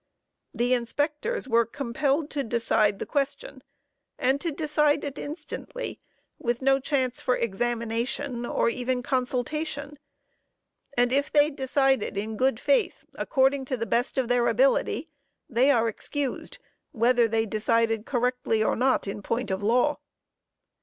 The inspectors were compelled to decide the question, and to decide it instantly, with no chance for examination or even consultation and if they decided in good faith, according to the best of their ability, they are excused, whether they decided correctly or not in point of law.